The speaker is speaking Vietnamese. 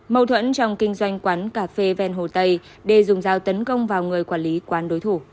mâu thuẫn trong kinh doanh quán cà phê ven hồ tây để dùng dao tấn công vào người quản lý quán đối thủ